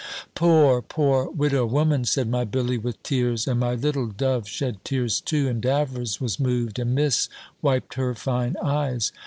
"Poor poor widow woman!" said my Billy, with tears; and my little dove shed tears too, and Davers was moved, and Miss wiped her fine eyes.